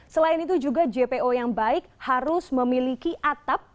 selain itu juga jpo yang baik harus memiliki atap